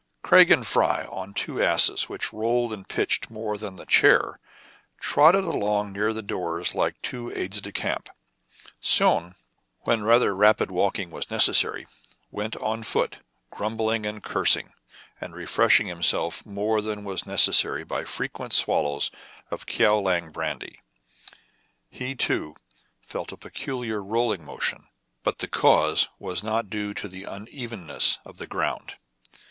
Craig and Fry, on two asses, which rolled and pitched more than the chair, trotted along near the doors like two aides de camp. Soun, when rather rapid walking was necessary, went on foot, grum bling and cursing, and refreshing himself more than was necessary by frequent swallows of Kao Liang brandy. He, too, felt a peculiar rolling motion ; KIN FO STARTS ON AN ADVENTURE, I27 but the cause was not due to the unevenness of the ground.